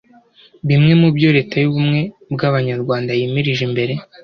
bimwe mu byo Leta y’Ubumwe bw’Abanyarwanda yimirije imbere.